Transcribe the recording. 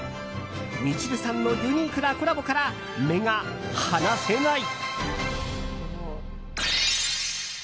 ミチルさんのユニークなコラボから目が離せない！